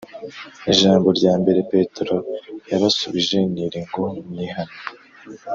Ijambo rya mbere Petero yabasubije niri ngo”Mwihane”